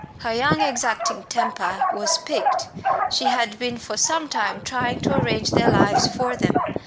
Her young exacting temper was piqued. She had been for some time trying to arrange their lives for them.